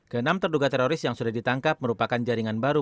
ke enam terduga teroris yang sudah ditangkap merupakan jaringan baru